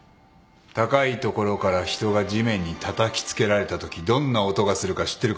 高い所から人が地面にたたきつけられたときどんな音がするか知ってるか。